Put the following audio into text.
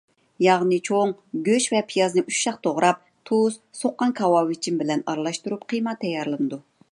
ياغنى چوڭ، گۆش ۋە پىيازنى ئۇششاق توغراپ، تۇز، سوققان كاۋاۋىچىن بىلەن ئارىلاشتۇرۇپ قىيما تەييارلىنىدۇ.